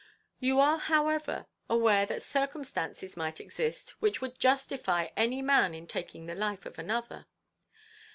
"You are, however, aware that circumstances might exist which would justify any man in taking the life of another.